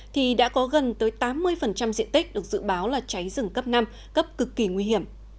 thì đã có gần tới tám mươi diện tích được dự báo là cháy rừng cấp năm cấp cực kỳ nguy hiểm